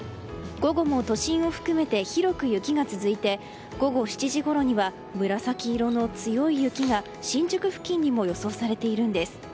午後も都心を含めて広く雪が続いて午後７時ごろには紫色の強い雪が新宿付近にも予想されているんです。